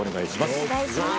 森川）お願いします。